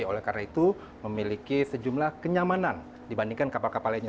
oleh karena itu memiliki sejumlah kenyamanan dibandingkan kapal kapal lainnya